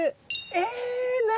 え⁉何？